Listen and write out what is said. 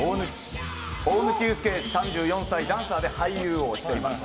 大貫勇輔、３４歳ダンサーで俳優をしています。